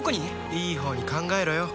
いいほうに考えろよ